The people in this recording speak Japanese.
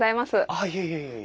あいえいえいえいえ。